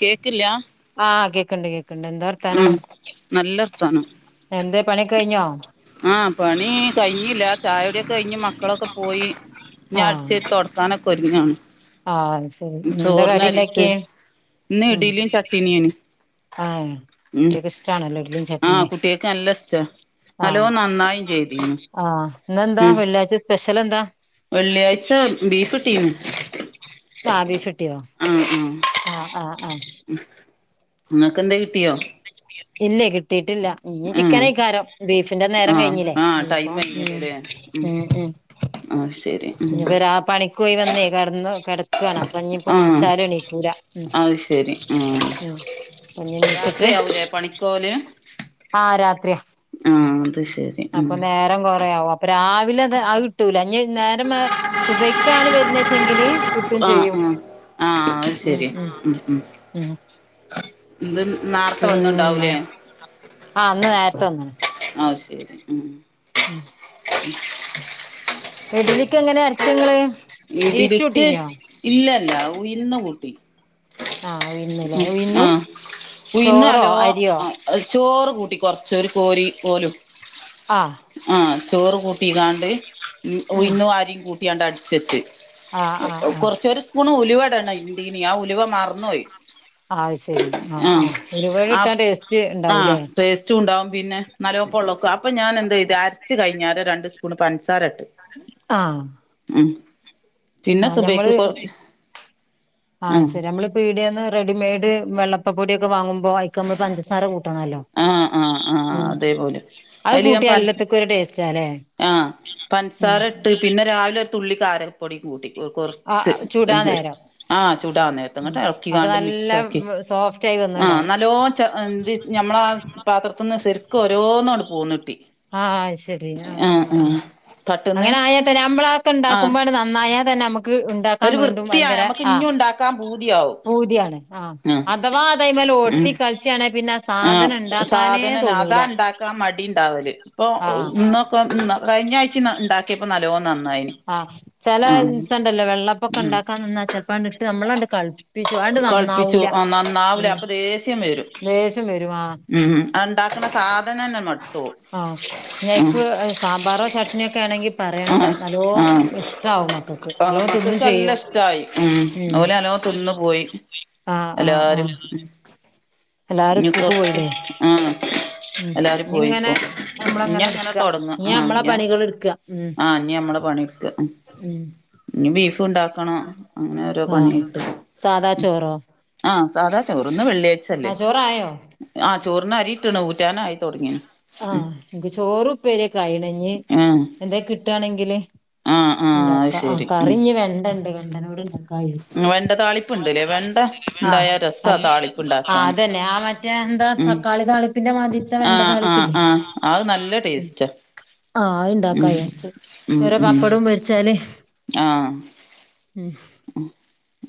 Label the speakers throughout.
Speaker 1: കേക്കില്ലാ
Speaker 2: ആ കേക്ക്‌ണ്ട് കേക്ക്‌ണ്ട് എന്താവർ
Speaker 1: ഉം നല്ലർത്താനം
Speaker 2: എന്തേ പണിക്കോക്കഴിഞ്ഞോ?
Speaker 1: ആ പണി കയിഞ്ഞീല്ല ചായൊടിക്കെക്കയിഞ്ഞ് മക്കളൊക്കെ പോയി ഞടിച്ചാരി തുട തൊടക്കാനൊക്കെ ഒരുങ്ങാണ്
Speaker 2: ആ അത് ശെരി എന്താ
Speaker 1: ചോറിനരിയിട്ട്
Speaker 2: കടിൻണ്ടാക്കിയെ
Speaker 1: ഇന്ന് ഇഡിലിയും ചട്ടിണിയാണ്
Speaker 2: ആകുട്ടിയേക്ക് ഇഷ്ടാണല്ലോ ഇ ഇഡലിയും
Speaker 1: ആ
Speaker 2: ചട്ട്ണീം
Speaker 1: കുട്ടികൾക്ക് നല്ല ഇഷ്ടാ നല്ലോ
Speaker 2: ആഹ്
Speaker 1: നന്നായും ചെയ്തീന്
Speaker 2: ആഹ് ഇന്നെന്താ
Speaker 1: ഉം
Speaker 2: വെള്ളിയാഴ്ച സ്പെഷ്യൽ എന്താ
Speaker 1: വെള്ളിയാഴ്ച ബീഫ് കിട്ടീന്നു
Speaker 2: ആ ബീഫ് കിട്ടിയോ
Speaker 1: ഉം ഉം
Speaker 2: ആഹ് ആഹ് ആഹ്
Speaker 1: ഇങ്ങക്കെന്തെകി
Speaker 2: ഇല്ലേ കിട്ടിട്ടില്ല. ഇനി
Speaker 1: ആ
Speaker 2: ചിക്കനേക്കാരം ബീഫിന്റെ
Speaker 1: ആ
Speaker 2: നേരം കയിഞ്ഞിലെ
Speaker 1: ആ ടൈം കഴിഞ്ഞല്ലോല്ലേ ഉം
Speaker 2: [unintelligible]
Speaker 1: ആ ശരി ഉം
Speaker 2: ഇനിവരാ ആ പണിക്കോയി വന്നെ കെടന്നു കെട ക്കാണ് അപ്പഞ്ഞീപ്പൊ
Speaker 1: ആ
Speaker 2: ബിളിച്ചാലുണീക്കൂലാ ഉം
Speaker 1: അത് ശരി
Speaker 2: ഉം ഞ്ഞ്ണി
Speaker 1: രാത്രിയാവ് ലെ പണിക്കോവല്
Speaker 2: ആഹ് രാത്രിയാ
Speaker 1: ആ അത് ശെരി
Speaker 2: അപ്പൊ നേരം കൊറയാവും അപ്പൊ രാവിലെത് അത് കിട്ടൂലഞ്ഞ് നേരം സുഭയ്ക്കാണ് വരുന്നെച്ചെങ്കില് കിട്ടും
Speaker 1: ആഹ്
Speaker 2: ചെയ്യും
Speaker 1: ആഹ് ആഹ് അത് ശെരി ഉം ഉം
Speaker 2: ഉം
Speaker 1: ഇത് നേർത്തെ
Speaker 2: പിന്നെ
Speaker 1: വന്നുണ്ടാവൂലേ
Speaker 2: ആ ഇന്ന് നേരത്തെ വന്ന്ണ്
Speaker 1: ആ ശെരി ഉം
Speaker 2: ഉം
Speaker 1: [unintelligible]
Speaker 2: ഇഡലിക്ക് എങ്ങനെ അരച്ചങ്ങള് ഈസ്റ്റ്
Speaker 1: ഇതിലേക്ക്
Speaker 2: ഇട്ടീനോ
Speaker 1: ഇല്ലല്ല ഉഴ്ന്ന് കൂട്ടി
Speaker 2: ആഹ് ഉഴുന്ന്ലേ
Speaker 1: ഉ
Speaker 2: ഉഴുന്നും
Speaker 1: ആഹ ഉഴുന്ന്
Speaker 2: ചോറോ
Speaker 1: നല്ലോ
Speaker 2: അരിയോ
Speaker 1: ആ ചോറ് കൂട്ടി കൊറച്ച ഒരു കോരി പോലും
Speaker 2: ആ
Speaker 1: ആഹ ചോറ് കൂട്ടിക്കാണ്ട് ണ്ട്
Speaker 2: ഉം
Speaker 1: ഉഴന്നു അരിയും കൂട്ടിയാണ്ട് അടിച്ചെട്ട്
Speaker 2: ആഹ് ആഹ് ആഹ്
Speaker 1: കൊറച്ച ഒരു സ്പൂൺ ഉലുവ ഇടണം ഇണ്ടിന ആ ഉലുവ മറന്നുപോയി
Speaker 2: ആഹ് ശെരി ആഹ് ആഹ് ല്ലിവടട്ടട്ടേസ്റ്റ് ണ്ടാവൂലേ
Speaker 1: റ്റു ഉണ്ടാവും പിന്നെ നാലോപ്പള്ളക്കു അപ്പൊ ഞാൻ എന്ത്യ്ത് അരച്ചു കഴിഞ്ഞാരെ രണ്ട് സ് പൂണ് പൻസാര ഇട്ട്
Speaker 2: ആഹ്
Speaker 1: ഉം പിന്നെ
Speaker 2: ആഹ്
Speaker 1: സുബൈക്ക്
Speaker 2: ഞമ്മള്
Speaker 1: കൊറച്ച് ആഹ്
Speaker 2: പീടെന്ന് റെഡിമെയ്ഡ് വെള്ളപ്പപ്പൊടി ഒക്കെ വാങ്ങുമ്പോ അയ്ക്ക് നമ്മൾ പഞ്ചസാര കൂ ത്ങ്ങാലോ
Speaker 1: ആഹ് ആഹ് ആഹ്
Speaker 2: ഉം
Speaker 1: അതേപോലെ
Speaker 2: അഹ്
Speaker 1: അയില് ഞാൻ
Speaker 2: കൂട്ടിയ
Speaker 1: പൻ
Speaker 2: എല്ലത്ക്കും ഒരു ടേസറ്റാല്ലേ
Speaker 1: ആഹ് പൻസാര ഇട്ട് പിന്നെ രാവിലെ തുള്ളിക്കാരപ്പൊടിയും കൂട്ടി കുറച്ച്
Speaker 2: ആഹ് ചുടാൻ നേരം
Speaker 1: ആഹ് ചൂടാന്നേര ത്
Speaker 2: ഉം
Speaker 1: ങ്ങട്ട്
Speaker 2: അപ്പൊ
Speaker 1: ഇളക്കികാണ്ട്
Speaker 2: നല്ല
Speaker 1: മിക്സ് ആക്കി
Speaker 2: സോഫ്റ്റ് ആയി
Speaker 1: ആഹ്
Speaker 2: വന്നിണ്ടാവും
Speaker 1: നല്ലോ എന്ത് ഞമ്മളാ പാത്രത്തിന്ന് ശെരിക്കും ഓരോന്നോണ്ട് പോന്നിട്ടി
Speaker 2: ആഹ് അത് ശരി
Speaker 1: ആഹ് ആഹ് പട്ടുന്നെ
Speaker 2: പ നമ്മളാഒക്കെ ണ്ടാക്കുമ്പോട് നന്നായാ തന്നെ നമക്ക് ഉ ണ്ടാക്കാൻ
Speaker 1: ഒരു
Speaker 2: വീണ്ടും
Speaker 1: വൃത്തിയാ
Speaker 2: ഭയങ്കര
Speaker 1: നമ്മക്ക്
Speaker 2: ആഹ്
Speaker 1: ഇഞ്ഞും ഉണ്ടാക്കാൻ പൂതിയാവും
Speaker 2: പൂതിയാണ് ആഹ്
Speaker 1: ഉം
Speaker 2: അഥവാ അതായ്മേൽ
Speaker 1: ഉം
Speaker 2: ഒട്ടി കളിചാണെ പിന്നെ ആ സാധനം ണ്ടാക്കാനേ
Speaker 1: നാതാണ്ടാക്കാ മടി ണ്ടാവല് ഇപ്പൊ
Speaker 2: ആഹ്
Speaker 1: ന്നു പ്പം കഴിഞ്ഞാഴ്ചി ഉണ്ടാക്കിയപ്പോ നല്ലോം നന്നായി
Speaker 2: ആഹ് ചെലേ ഇൻസണ്ടല്ലോ വെള്ളപ്പൊക്കെ ഉണ്ടാക്കാന്നാ ചെൽപ്പാണ്ടിട്ട് നമ്മളണ്ട് കൾ
Speaker 1: കൾപ്പിച്ചു ആ നന്നാവിലെ അപ്പ ദേഷ്യം വരും
Speaker 2: ലേഷംവരുവാ
Speaker 1: ഉം അഹ് ണ്ടാക്ണ സാധനംന്നെ മട്തോഉ
Speaker 2: ആഹ് ഞക്ക് സാമ്പാറോ ചട്നിയൊക്കെ ആണെങ്കിൽ പറയണ്ട
Speaker 1: ആഹ്
Speaker 2: നല്ലോ
Speaker 1: ആഹ്
Speaker 2: ഇഷ്ടവും മക്കൾക്ക്
Speaker 1: ആഹ്
Speaker 2: നല്ലോ തിന്നും
Speaker 1: മക്കക്ക് നല്ല
Speaker 2: ചെയ്യും
Speaker 1: ഇഷ്ടായി
Speaker 2: ഉം
Speaker 1: ഓല് നല്ലോം തിന്ന് പോയി
Speaker 2: ആഹ് ആഹ്
Speaker 1: എല്ലാരും
Speaker 2: ആഹ് എല്ലാരും
Speaker 1: ഇഞ്ഞ്
Speaker 2: സ്കൂൾക്ക്
Speaker 1: കൊറച്ച്
Speaker 2: പോയില്ലേ
Speaker 1: ആഹ്
Speaker 2: ഉം
Speaker 1: എല്ലാരും
Speaker 2: ഇനി
Speaker 1: പോയിപ്പോ
Speaker 2: ഇങ്ങനെ
Speaker 1: ഇനി
Speaker 2: നമ്മളങ്ങനെ
Speaker 1: അങ്ങനെ
Speaker 2: എടുക്ക
Speaker 1: തുടങ്ങ
Speaker 2: ഇനി
Speaker 1: ആഹ്
Speaker 2: നമ്മളെ
Speaker 1: ഞ
Speaker 2: പണികൾ എടുക്ക ഉം
Speaker 1: ആഹ് ഞ്ഞിമ്മള പണിയെടുക്ക
Speaker 2: ഉം
Speaker 1: നി ബീഫ് ഉണ്ടാക്കണോ അങ്ങനെ ഓരോ
Speaker 2: ആഹ്
Speaker 1: പണിയായിട്ട്
Speaker 2: സാദാ ചോറോ
Speaker 1: ആഹ് സാധാ ചോറ് ഇന്ന് വെള്ളിയാഴ്ച്ചല്ലേ
Speaker 2: ആഹ് ചോറായോ
Speaker 1: ആഹ് ചോറിന അരിയിട്ട്ണ് ഊറ്റാനായി തുടങ്ങിണ്
Speaker 2: ആഹ് ക്ക് ചോറ് ഉപ്പേര്യോക്കെ അയീണ് ഞ്ഞ്
Speaker 1: ആഹ്
Speaker 2: എന്തേ കിട്ടാണെങ്കില്
Speaker 1: ആഹ് ആഹ് അത്
Speaker 2: ഇണ്ടാക്ക ആഹ്
Speaker 1: ശരി ഉം
Speaker 2: കറിഞ് വെണ്ടണ്ട് വെണ്ടനോട്ണ്ട ആയേ
Speaker 1: വെണ്ട താളിപ്പ്ണ്ട്ല്ലേ വെണ്ട
Speaker 2: ആഹ്
Speaker 1: ഇണ്ടായാ രസാ താളിപ്പ്ണ്ടാക്കാന്
Speaker 2: അതന്നെ ആഹ് മ റ്റഎന്താ
Speaker 1: ഉം
Speaker 2: തക്കാളി താളിപ്പിന്റെ മാതിര്തെ വെണ്ട
Speaker 1: ആഹ് ആഹ്
Speaker 2: താളിപ്പില്ലേ
Speaker 1: ആഹ് അത് നല്ല ടേസ്റ്റാ
Speaker 2: ആഹ്
Speaker 1: ഉം
Speaker 2: ണ്ടാക്കായാര്ച്
Speaker 1: ഉം
Speaker 2: ഒരു
Speaker 1: ഉം
Speaker 2: പപ്പടും പൊ രിച്ചാലേ
Speaker 1: ആഹ്
Speaker 2: ഉം
Speaker 1: അഹ്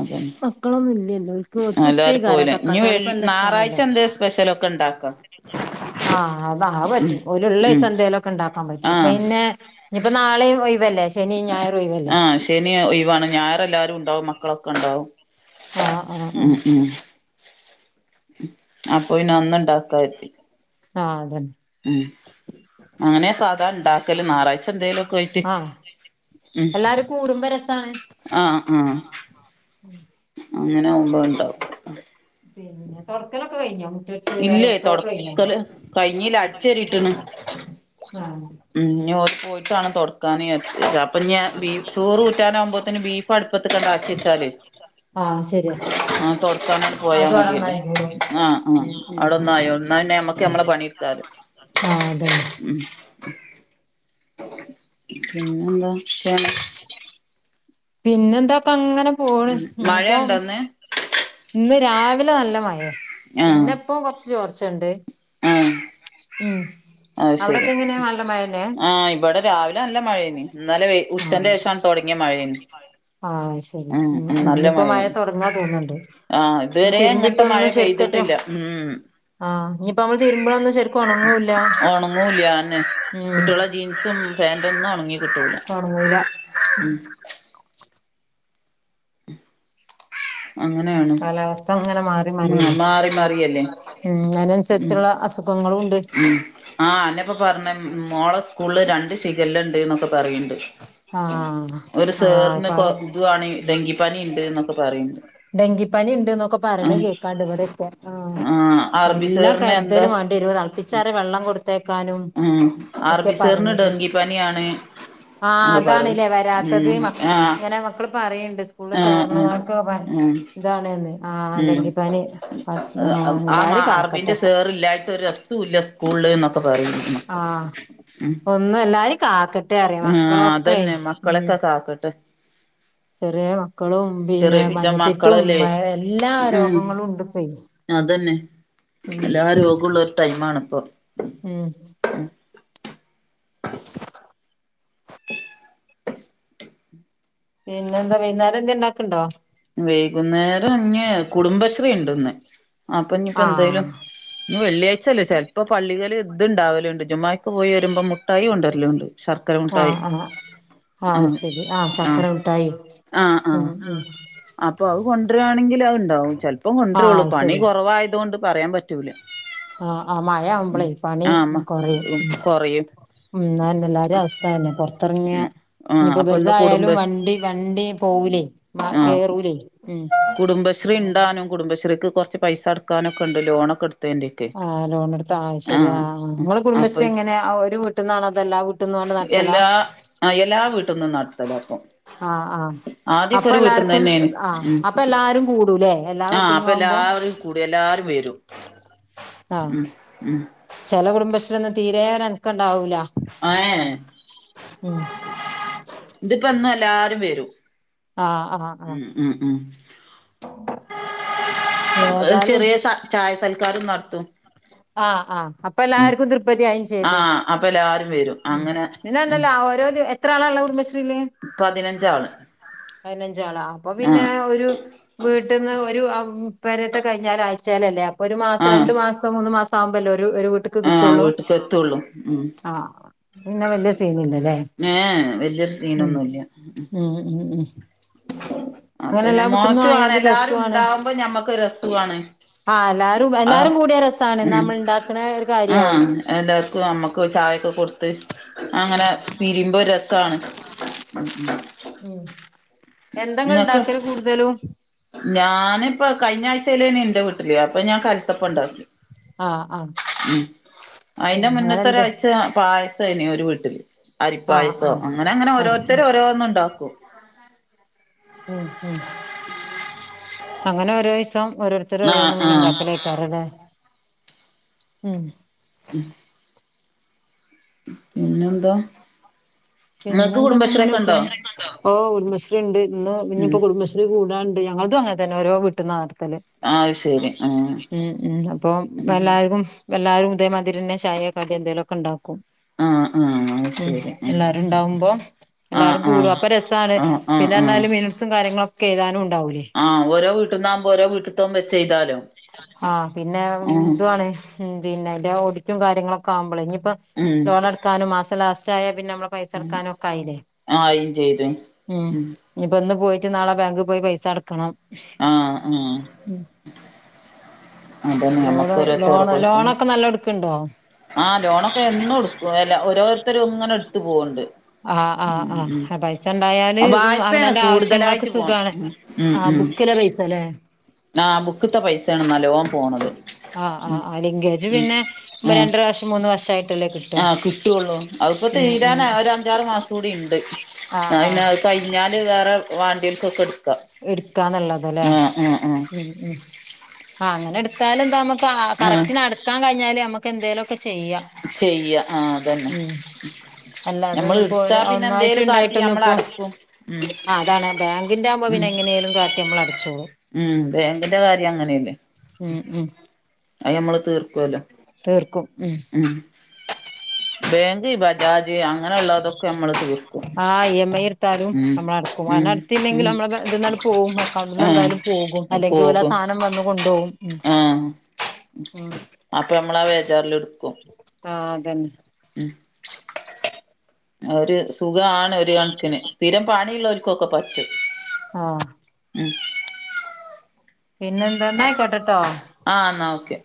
Speaker 1: അതെന്ന
Speaker 2: മക്കളൊന്നുല്ലല്ലോ കോര്ക്കുഷ്ട്ടെയ്കാരം
Speaker 1: ഇനി
Speaker 2: തക്കാളി
Speaker 1: വെള്ളി ഞായറാഴ്ച
Speaker 2: താളിപ്പല്ലഷ്ടണല്ലോ
Speaker 1: എന്തേ സ്പെഷ്യലൊക്കെ ഇണ്ടാക്കാം
Speaker 2: ആഹ്
Speaker 1: ഉം
Speaker 2: ആതാഹൊറ്റു ഓലുള്ളയ്സ
Speaker 1: ഉം
Speaker 2: എന്തേലൊക്കെ ണ്ടാക്കാൻ പറ്റും
Speaker 1: ആഹ്
Speaker 2: പിന്നെ ഇനിയിപ്പ നാളെയും ഒയ് വല്ലേ സ് ശനി ഞായറു ഓയ്‌വല്ലേ
Speaker 1: ആഹ് ശനി ഒയ് വാണ് ഞായറല്ലാരും ഉണ്ടാവും മക്കളൊക്കെ ഉണ്ടാവും
Speaker 2: ആഹ് ആഹ്
Speaker 1: ഉം
Speaker 2: ആഹ്
Speaker 1: ഉം അപ്പൊ പിനെ അന്നുണ്ടാക്കാര്തി
Speaker 2: ആഹ് അതന്നെ
Speaker 1: ഉം അങ്ങനെ സാധാണ്ടാക്കല് ഞായറാഴ്ച എന്തേലും ഒക്കെ ആയിട്ട്
Speaker 2: ആഹ്
Speaker 1: ഉം
Speaker 2: എല്ലാരും കൂടുമ്പോ രസാണ്
Speaker 1: അങ്ങനാഉമ്പോ അഹ് ണ്ടാവും
Speaker 2: പിന്നെ തൊഡ്ക്കലൊക്കെ കഴിഞൊ
Speaker 1: ഇല്ലേ തുൊടക്കല് കൈഞ്ഞയില് അടിച്ചരിയിട്ടണ്
Speaker 2: ആഹ്
Speaker 1: ഞ് ഓൽക് മാണം തൊടക്കാൻ [unintelligible] അപ്പ ഞാ ബഫ് ചോറ് ഉറ്റാനാവകുമ്പോത്തന് ബീഫ് അടുപ്പത്ത് ക് ആക്കി വെച്ചാല്
Speaker 2: ആഹ് ശരിയാ
Speaker 1: ആ തൊടചാണ്ടി ആണ് പോയാ
Speaker 2: അത് അവിടെ
Speaker 1: മതിയല്ലേ
Speaker 2: നന്നായിക്കോളും
Speaker 1: ആഹ് ആഹ
Speaker 2: ഉം ഉം
Speaker 1: അവിടെ ഒന്നായോ ന്നാ പിന്നെ നമ്മക്ക് നമ്മളെ പണിടുകാലൊ
Speaker 2: ആഹ് അതന്നെ
Speaker 1: പിന്നെ എന്താ [unintelligible]
Speaker 2: പിന്നെന്തൊക്കെ അങ്ങനെ പോണ് ഇനിയിപ്പോ
Speaker 1: മഴയുണ്ടോന്ന്
Speaker 2: ഇന്ന് രാവിലെ നല്ല മഴേ
Speaker 1: ആഹ്
Speaker 2: പിന്നെ ഇപ്പ കൊറച്ച് ചോർച്ചണ്ട് ഉം
Speaker 1: അ ശരി
Speaker 2: അവിടൊക്കെ എങ്ങനെ നല്ല മഴന്നെ
Speaker 1: ആ് ഇവിടെ രാവിലെ നല്ല മഴെ നി എന്നലെ ഉചന്റെ
Speaker 2: ആഹ്
Speaker 1: ശേഷം തുടങ്ങിയ മഴേനി
Speaker 2: ആഹ് ശരി
Speaker 1: ഉം
Speaker 2: മ് മ് ഞ്പ്പൊ മഴ തുൊടങ്ങാ തോന്ന്ണ്ട്
Speaker 1: ആഹ ഇതുവരെ അങ്ങനത്തെ മഴ
Speaker 2: തിരുമ്പിട്ടൊന്നും ശരിക്കറ്റ
Speaker 1: പെയ്തിട്ടില്ല മ്
Speaker 2: ആഹ് ഇനിയിപ്പോ നമ്മള് തിരുമ്പളൊന്നും ശരിക്കും ഉണങ്ങൂല്ല
Speaker 1: ഒണങ്ങൂല്ല അതെന്നെ
Speaker 2: മ്
Speaker 1: കുട്ടികളെ ജീൻസും പാന്റൊന്നും ഒണങ്ങി കിട്ടൂല
Speaker 2: തുടങ്ങല
Speaker 1: ഉം
Speaker 2: [unintelligible]
Speaker 1: അങ്ങനെയാണ്
Speaker 2: കാലാവസ്ഥ അങ്ങനെ മാറി
Speaker 1: ആഹ്
Speaker 2: മാറില്ല
Speaker 1: മാറി മാറിയല്ലേ
Speaker 2: ഉം
Speaker 1: ഉം
Speaker 2: അതിനനുസരിച്ചുള്ള അസുഖങ്ങളും ഉണ്ട്
Speaker 1: ഉം ആഹ് അന്നപ്പ പറഞ്ഞ മോളെ സ്കൂളില് രണ്ട് ശിഖല ഉണ്ട് എന്നൊക്കെ പറയണ്ട്
Speaker 2: ആഹ്
Speaker 1: ഒരു
Speaker 2: ആഹ്
Speaker 1: സേറിന്
Speaker 2: ഇപ്പ
Speaker 1: കൊ ഇതുവാണ ഡെങ്കിപ്പനി ഉണ്ട് എന്നൊക്കെ പറയണ്ട്
Speaker 2: ഡെങ്കിപ്പനി ഉണ്ട് എന്നൊക്കെ പറയണ
Speaker 1: ആഹ്
Speaker 2: കേൾക്കാണ്ട് ഇവിടോക്കെ ആ
Speaker 1: ആഹ് അറബി
Speaker 2: നല്ല
Speaker 1: സേറിന്
Speaker 2: കരുതൽ
Speaker 1: എന്താ
Speaker 2: വണ്ടി വരും തിളപ്പിച്ചാറിയ വെള്ളം കൊടുത്തേക്കാനും
Speaker 1: ഉം
Speaker 2: ഒക്കെ
Speaker 1: അറബി സേറിന് ഡെങ്കിപ്പനിയാണ്
Speaker 2: ആ
Speaker 1: ഒക്കെ പറയും
Speaker 2: അതാണല്ലേ വരാത്തത്
Speaker 1: ഉം
Speaker 2: മാക്
Speaker 1: ആഹ്
Speaker 2: ഇങ്ങനെ മ്മ മക്കൾ പറയിണ്ട് സ്കൂളിലെ
Speaker 1: ആഹ്
Speaker 2: സാറിന്മാർക്ക്
Speaker 1: ആഹ് ഉം
Speaker 2: ഇതാണന്ന് ആ
Speaker 1: ഉം
Speaker 2: അല്ലെങ്കിപ്പനി പട് ആ എല്ലാരിം കാക്കട്ടെ
Speaker 1: ഇല്ലായിട്ട് ഒരു രസം [unintelligible] സ്കൂള് എന്നൊക്കെ പറയും മക്കൾ
Speaker 2: ആഹ്
Speaker 1: ഉ
Speaker 2: ഒന്നും എല്ലാരും കാക്കട്ടെ അറിയ
Speaker 1: ആ
Speaker 2: മക്കളൊക്കെ
Speaker 1: അതെന്നെ
Speaker 2: ഉം
Speaker 1: മക്കളെൊക്കെ കാക്കട്ടെ
Speaker 2: ചെറിയ മക്കളും
Speaker 1: ചെറിയ
Speaker 2: പിന്നെ
Speaker 1: പിച്ച
Speaker 2: മഞ്ഞപ്പിത്തും
Speaker 1: മക്കളല്ലേ
Speaker 2: എല്ലാം
Speaker 1: ഉം അതന്നെ
Speaker 2: ഉം
Speaker 1: എല്ലാ രോഗുള്ള ഒരു ടൈ ആണിപ്പൊ
Speaker 2: [inaudible] പിന്നെ എന്താ വൈകുന്നേരം എന്താ ഉണ്ടാക്ണ്ടോ
Speaker 1: വൈകുന്നേരം ഇഞ് കുടുംബശ്രീ ഉണ്ടന്ന് അപ്പൊ ഇനിപ്പോ എന്തായാലും
Speaker 2: ആഹ്
Speaker 1: ഇന്ന് വെള്ളിയാഴ്ച അല്ലേ ചെലപ്പോ പള്ളികള് ഇതുണ്ടാവലേണ്ട് ജ്മാക്ക് പോയി വരുമ്പോ മുട്ടായി കൊണ്ടുരല്ലുണ്ട് ശർക്കരമുട്ടായി
Speaker 2: ആഹ ശരി ആഹ് ചക്കര മുട്ടായി
Speaker 1: ആഹ്
Speaker 2: ഉം
Speaker 1: ആഹ്
Speaker 2: മ്
Speaker 1: അപ്പൊ അത് കൊണ്ടുവരുവാണെങ്കിൽ അത്ണ്ടാവും ചെലപ്പം കൊണ്ടുരുള്ളു
Speaker 2: ആഹ്
Speaker 1: പണി
Speaker 2: ശരി
Speaker 1: കുറവായത് കൊണ്ട് പറയാൻ പറ്റൂല
Speaker 2: ആഹ ആ മഴാവുമ്പളെ
Speaker 1: ഉം
Speaker 2: പണി
Speaker 1: ആഹ്
Speaker 2: കുറയും
Speaker 1: കൊറയും
Speaker 2: മ്മ് ആന്നെ എല്ലാരിം അവസ്ഥ തന്നെ പുറത്തിറങ്ങിയ
Speaker 1: ആഹ്
Speaker 2: ഇനിയിപ്പോ
Speaker 1: അപ്പൊ ഇന്ന്
Speaker 2: വെറുതായാലും
Speaker 1: കുടുംബ
Speaker 2: വണ്ടി വണ്ടി പോകൂലേ മ
Speaker 1: ആഹ്
Speaker 2: കേറൂലേ ഉ
Speaker 1: കുടുംബശ്രീ ഇണ്ടാനും കുടുംബശ്രീക്ക് കൊറച്ച് പൈസ അടുക്കാനോക്കെ ഉണ്ട് ലോണഒക്കെ എടു
Speaker 2: ആഹ് ലോണടുത്താ ശരി ആ ങ്ങളെ
Speaker 1: അപ്പൊ
Speaker 2: കുടുംബശ്രീ എങ്ങനെ ഒരു വീട്ടുന്നാണതോ ല്ലാ വീട്ടി
Speaker 1: എല്ലാ ആ എല്ലാ വീട്ടൊന്നും നടത്തലപ്പൊ
Speaker 2: ആഹ് ആഹ് അപ്പൊ എല്ലാർക്കും
Speaker 1: തന്നെയാണ്
Speaker 2: ആ
Speaker 1: ഉം
Speaker 2: അപ്പൊ എല്ലാരും കൂടൂല്ലേ എല്ലാ
Speaker 1: ആഹ് അപ്പൊ
Speaker 2: വീട്ടിന്നാവുമ്പോ
Speaker 1: എല്ലാവരും കൂടി ല്ലാരും വെരും
Speaker 2: ആഹ് ചെല കുടുംബശ്രീഒന്നും തീരെ നക്കണ്ടാവൂല
Speaker 1: ആഎയെ ഇതിപ്പന്ന് ല്ലാരും വരും
Speaker 2: ആഹ് ആഹ് ആഹ്
Speaker 1: ഉമ് ഉമ്
Speaker 2: ഏതാലും
Speaker 1: ചായസൽക്കാരും നടത്തും
Speaker 2: ആഹ് ആഹ് അപ്പൊ
Speaker 1: ഉം
Speaker 2: ല്ലാർക്കും ത്രിപതിയായിം ചെയ്ത്
Speaker 1: ആഹ് അപ്പൊ എല്ലാരും വരും അങ്ങനെ ഉം
Speaker 2: പിന്നെന്തേല്ലാ ആ ഓരോര് ത്ര ആളള്ളെ കുടുംബശ്രീയില്
Speaker 1: പതിനഞ്ചാള്
Speaker 2: പതിനഞ്ചാളാ അപ്പൊ പിന്നെ
Speaker 1: ആഹ്
Speaker 2: ഒരു വീട്ടിന്ന് ഒരു ഔ പേരെത്തെ കയ്ഞ്ഞാലായി ചെലല്ലേ അപ്പൊ ഒരു മാസം
Speaker 1: ആഹ്
Speaker 2: രണ്ട് മാസം മൂന്ന് മാസം ആവുമ്പല്ലോ ഒരുഒരു വീട്ട് ക്ക്
Speaker 1: ആഹ്
Speaker 2: കിട്ടുള്ളൂ
Speaker 1: വീട്ട്ക്ക് എത്തുള്ളൂ ഉം
Speaker 2: ആ പിന്നെ വല്യ സീന് ല്ലലെ
Speaker 1: ഏഹ് വല്യൊരു
Speaker 2: ഉം
Speaker 1: സീനൊന്നുല്ല
Speaker 2: ഉം ഉം ഉം
Speaker 1: അഹ്
Speaker 2: അങ്ങനെ
Speaker 1: പിന്നെ
Speaker 2: എല്ലാ വിട്ടന്നും
Speaker 1: മോശമാണ്
Speaker 2: ആയാല്
Speaker 1: എല്ലാരും
Speaker 2: രസ്വാണ്
Speaker 1: ഉണ്ടാവുമ്പോ ഞമ്മക്ക് രസവാണ്
Speaker 2: ആ എല്ലാ
Speaker 1: ആഹ്
Speaker 2: എല്ലാരും കൂടിയ രസാണ് നമ്മൾ ണ്ടാക്ക്ണെ ഒരു കാര്യാവും
Speaker 1: എല്ലാവർക്കും നമ്മക്ക് ചായൊക്കെ കൊടുത്ത് അങ്ങനെ
Speaker 2: ആഹ്
Speaker 1: പിരിമ്പോ രസ ക്കാണ്
Speaker 2: ഉം എന്താ ഇങ്ങള്
Speaker 1: ങ്ങക്ക്
Speaker 2: ഇണ്ടാക്കല് കൂടുതലും
Speaker 1: ഞാനിപ്പ കയ്ഞ്ഞ ആഴ്ചയിലനി എന്റെ വീട്ടില അപ്പൊ ഞാൻ കല്ത്തപ്പ ഉണ്ടാക്കി
Speaker 2: ആഹ് ആഹ്
Speaker 1: ഉം
Speaker 2: ആ
Speaker 1: അയിന്റെ
Speaker 2: അങ്ങനെ എന്ത്
Speaker 1: മുന്നത്തെരാഴ്ച പായ സണ്ടായ്ന് ഒരു വീട്ടില്
Speaker 2: ആഹ്
Speaker 1: അരിപ്പായസം
Speaker 2: ആഹ്
Speaker 1: അങ്ങനെ അങ്ങനെ
Speaker 2: ആരും ഉം
Speaker 1: ഓരോരുത്തരു ഓരോന്ന് ണ്ടാക്കും
Speaker 2: മ് മ് അങ്ങനെ ഓരോയിസം ഓരോരുത്തർ
Speaker 1: ആഹ്
Speaker 2: ഓരോന്നും ങ്ങനെ
Speaker 1: ആഹ്
Speaker 2: ണ്ടാക്കലാ [unintelligible] ഉം
Speaker 1: ഉം പിന്നെന്താ ഇങ്ങക്ക്
Speaker 2: പിന്നെന്തൊക്കെ
Speaker 1: കുടുംബശ്രീ
Speaker 2: ങ്ങനെ
Speaker 1: ഒക്കെ ഉണ്ടോ
Speaker 2: പോണ് ഓഹ് കുടുംബശ്രീ ണ്ട് ഇന്ന് ഇനി
Speaker 1: ഉം
Speaker 2: ഇപ്പോ കുടുംബശ്രീ കൂടാണ്ട് ഞങ്ങള്തും അങ്ങനെ തന്നെ ഓരോ വീട്ടുന്ന നടത്തല്
Speaker 1: അഹ് ശരി ആഹ്
Speaker 2: [unintelligible] ഉം ഉം അപ്പോ
Speaker 1: ഉം
Speaker 2: എല്ലാർക്കും എല്ലാരും ഇതേമാതിരിന്നെ ചായെ കടി ന്തെലൊക്കെ ണ്ടാക്കും
Speaker 1: ഉം ഉം അയ്ശരി ഉം
Speaker 2: ണ്ടാവുമ്പോൾ എല്ലാരും കൂടും അപ്പൊ രസാണ്
Speaker 1: ആഹ് ആഹ്
Speaker 2: പിന്നെ
Speaker 1: ആഹ്
Speaker 2: എന്നാലും മിനിറ്റ്സും കാര്യങ്ങളൊക്കെ എഴുതാനും ണ്ടാവൂലേ
Speaker 1: ആ ഓരോ വീ ട്ട് ന്നാവുബോ ഓരോ വെച്ച് ചെയ്താലോ
Speaker 2: ആഹ് പിന്നെ
Speaker 1: ആഹ്
Speaker 2: ന്തുവാണ് ഉം പിന്നെ ഡേ ഓഡിറ്റും കാര്യങ്ങളൊക്കെ ആമ്പോള് ഇനിയിപ്പ
Speaker 1: ഉം
Speaker 2: ലോണടക്കാനും മാസം ലാസ്റ്റ് ആയ പിന്നെ മ്മള് പൈസടക്കാനൊക്കെ ആയില്ലേ
Speaker 1: ആയിം ചെയ്ത്
Speaker 2: ഉം ഇനിയിപ്പ ന്ന് പോയിട്ട് നാളെ ബാങ്കിൽ പോയി പൈസ അടക്കണം
Speaker 1: ആ ആ
Speaker 2: ഉം
Speaker 1: അതന്നെ നമ്മക്ക്
Speaker 2: ലോണ്
Speaker 1: ഓരോ ചോറ്
Speaker 2: ലോണ്
Speaker 1: കൊടുക്കും
Speaker 2: ലോണൊക്കെ നല്ലട്ക്ക്ണ്ടോ
Speaker 1: ആഹ് ലോണൊക്കെ എന്നും എടുക്കും അല്ല ഓരോരുത്തരും ങ്ങനെ എടുത്ത് പോവ്ണ്ട്
Speaker 2: ആ ആ
Speaker 1: ഉം ഉം
Speaker 2: ആ പൈസ ണ്ടായാല്
Speaker 1: വായ്പയാണ്
Speaker 2: അവനോന്റെ ആവശ്യങ്ങൾക്ക്
Speaker 1: കൂടുതലായിട്ട് പോണ്
Speaker 2: സുഖാണ്
Speaker 1: ഉം
Speaker 2: ആ ബുക്കില പൈസ ല്ലേ
Speaker 1: ആ ബുക്ക്ത്തെ പൈസാണ് നല്ലോം പോണത്
Speaker 2: ആ
Speaker 1: ഉം
Speaker 2: ആ ലിങ്കേജ് പിന്നെ രണ്ടരവർഷം മൂന്ന് വർഷായി
Speaker 1: ആ കിട്ടുള്ളൂ അതിപ്പോ
Speaker 2: ഉം
Speaker 1: തീരാൻ ഒര ഞ്ചാറ് മാസം കൂടി ഇണ്ട്
Speaker 2: ആഹ്
Speaker 1: അ പിന്നെ
Speaker 2: ആഹ്
Speaker 1: കയി ഞ്ഞാല് വേറെ വാണ്ടിയോര്ക്കൊക്കെ എടുക്കാ
Speaker 2: എടുക്കാന്നുള്ളതല്ലേ ഉം ഉം ആ അങ്ങനെ എടുത്താലും താമസ കാ
Speaker 1: ആഹ്
Speaker 2: കറക്റ്റിന് അടക്കാൻ കഴിഞ്ഞാല് നമുക്ക് എന്തേലോക്കെ ചെയ്യാ
Speaker 1: ചെയ്യാ ആഹ് അതന്നെ
Speaker 2: ഉം അല്ല
Speaker 1: നമ്മൾ
Speaker 2: അതൊന്ന്‌ ഇപ്പോ
Speaker 1: എടുത്താ പിന്നെ എന്തേലും കാട്ടി
Speaker 2: ഒന്നായിട്ടുണ്ടായിട്ടൊന്ന
Speaker 1: നമ്മള്
Speaker 2: ഇപ്പൊ
Speaker 1: അടക്കും ഉം
Speaker 2: അ അതാണ് ബാങ്കിന്റെ ആകുമ്പോ
Speaker 1: ഉം
Speaker 2: പിന്നെ എങ്ങനേലും കാട്ടി നമ്മൾ അടച്ചോളും
Speaker 1: ഉം ബാങ്കിന്റെ കാര്യം അങ്ങനെയല്ലേ
Speaker 2: ഉം ഉം
Speaker 1: അത് ഞമ്മള് തീർകൊല്ലോ
Speaker 2: തീർക്കും ഉം
Speaker 1: ഉം ബേങ്ക് ഇബ രാജി അങ്ങനെള്ളതൊക്കെ ഞമ്മള് തീർക്കും
Speaker 2: ആ
Speaker 1: ഉം ഉം
Speaker 2: ല്ലെങ്കിൽ
Speaker 1: ഉം
Speaker 2: നമ്മള് ഇതിന്നങ്ങട് പോകും അക്കൗണ്ട് ന്ന്
Speaker 1: ആഹ്
Speaker 2: എന്തായാലും പോകും അല്ലെങ്കിൽ ഓലാ
Speaker 1: പോകും
Speaker 2: സാധനം വന്നു കൊണ്ടപോകും
Speaker 1: ആഹ് അപ്പം ഞമ്മളാവേജാറിലിട്ക്കും
Speaker 2: ആഹ് അതന്നെ
Speaker 1: ഉം ഒര് സുഖാണ് ഒരു കൺക്കിന്, സ്ഥിരം പണിള്ളോൽക്കൊക്കെ പറ്റും
Speaker 2: ആഹ്
Speaker 1: ഉം
Speaker 2: പിന്നെന്താ ന്നാഐക്കോട്ടെട്ടോ
Speaker 1: ആഹ് ന്നാ ഓക്കെ